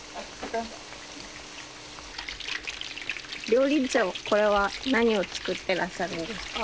料理長これは何を作ってらっしゃるんですか？